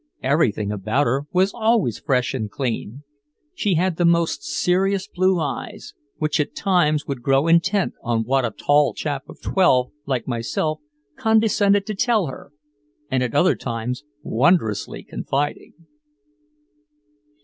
Everything about her was always fresh and clean. She had the most serious blue eyes, which at times would grow intent on what a tall chap of twelve like myself condescended to tell her, and at other times wondrously confiding.